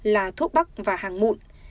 là thuốc bắc và hàng mụn